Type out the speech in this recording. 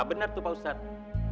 benar tuh pak ustadz